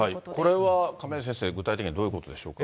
これは亀井先生、具体的にはどういうことでしょうか。